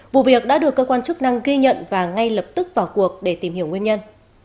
vụ việc đã được cơ quan chức năng ghi nhận và ngay lập tức vào cuộc để tìm hiểu nguyên nhân